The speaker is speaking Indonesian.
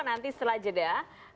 nanti setelah jeda